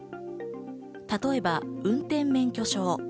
例えば運転免許証。